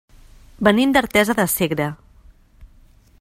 Venim d'Artesa de Segre.